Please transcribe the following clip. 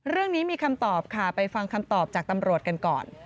เรื่องนี้มีคำตอบค่ะไปฟังคำตอบจากตำรวจกันก่อน